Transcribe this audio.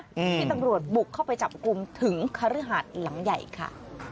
ที่ตำรวจบุกเข้าไปจับกลุ่มถึงคฤหาสหลังใหญ่ค่ะ